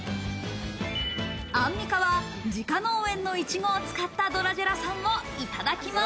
アンミカは自家農園のいちごを使った「ドラジェラさん」をいただきます。